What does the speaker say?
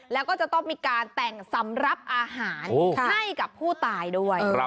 แล้วก็จะต้องมีการแต่งสำหรับอาหารให้กับผู้ตายด้วย